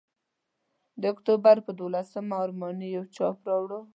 د اکتوبر پر دوولسمه ارماني یو چاپ راوړ.